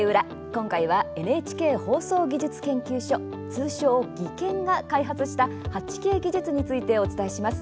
今回はＮＨＫ放送技術研究所通称、技研が開発した８Ｋ技術についてお伝えします。